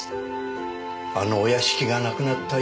あのお屋敷がなくなった